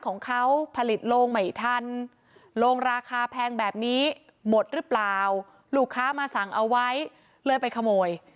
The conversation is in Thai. ของเขาผลิตโลงไม่ทันโลงราคาแพงแบบนี้หมดหรือเปล่าลูกค้ามาสั่งเอาไว้เลยไปขโมย